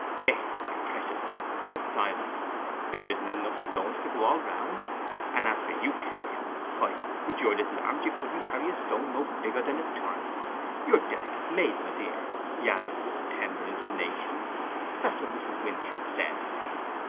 "Eh, my precious un," said Silas, "there isn't enough stones to go all round; and as for you carrying, why, wi' your little arms you couldn't carry a stone no bigger than a turnip. You're dillicate made, my dear," he added, with a tender intonation—"that's what Mrs. Winthrop says."